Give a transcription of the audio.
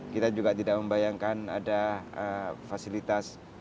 kita juga tidak membayangkan ada fasilitas